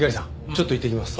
ちょっと行ってきます。